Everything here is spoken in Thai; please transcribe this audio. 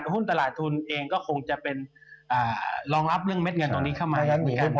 หุ้นตลาดทุนเองก็คงจะเป็นรองรับเม็ดเงินตรงนี้เข้ามา